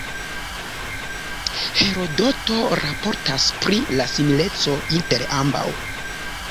Herodoto raportas pri la simileco inter ambaŭ.